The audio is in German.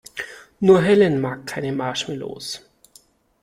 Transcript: Nur Helen mag keine Marshmallows.